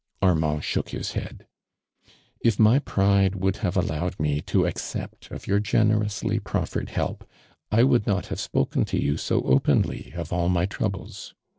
"' Armand shook his head. " If my pride wouKl have alloAved mo to accept of your generously proft'ere<l help, 1 would not have si)oken to you so openly of all my troubh's.